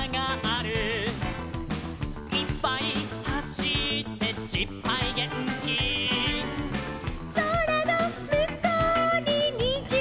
「いっぱいはしってじっぱいげんき」「そらのむこうににじがある」